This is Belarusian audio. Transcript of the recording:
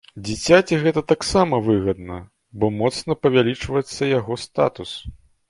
Дзіцяці гэта таксама выгадна, бо моцна павялічваецца яго статус.